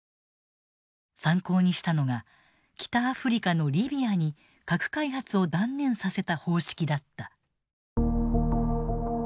参考にしたのが北アフリカのリビアに核開発を断念させた方式だった。